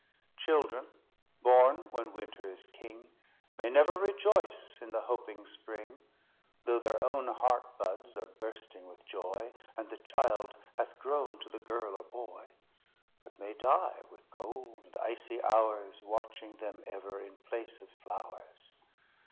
Children, born when Winter is king, May never rejoice in the hoping Spring; Though their own heart buds are bursting with joy, And the child hath grown to the girl or boy; But may die with cold and icy hours Watching them ever in place of flowers.